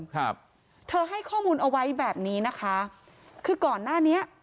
ครับเธอให้ข้อมูลเอาไว้แบบนี้นะคะคือก่อนหน้านี้